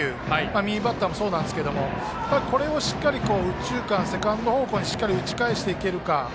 右バッターもそうなんですけど右中間、セカンド方向にしっかり打ち返していけるか。